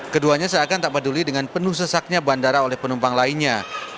keduanya seakan tak peduli dengan penuh sesaknya bandara oleh penumpang lainnya